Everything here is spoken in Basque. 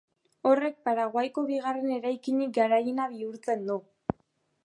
Horrek Paraguaiko bigarren eraikinik garaiena bihurtzen du.